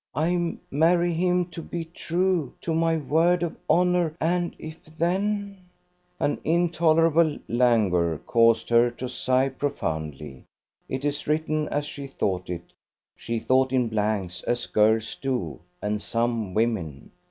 I marry him to be true to my word of honour, and if then ...!" An intolerable languor caused her to sigh profoundly. It is written as she thought it; she thought in blanks, as girls do, and some women.